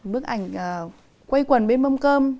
bức ảnh quây quần bên mâm cơm